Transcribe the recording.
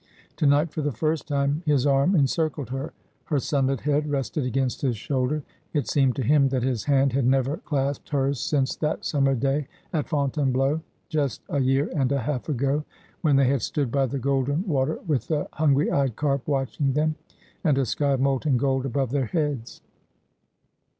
To night for the first time his arm encircled her ; her sunlit head rested against his shoulder. It seemed to him that his hand had never clasped hers since that summer day at Fontainebleau, just a year and a half ago ; when they had stood by the golden water, with the hungry eyed carp watching them, and a sky of molten gold above their heads.